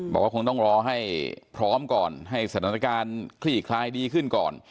บอกว่าคงต้องรอให้พร้อมก่อนให้สถานการณ์คลี่คลายดีขึ้นก่อน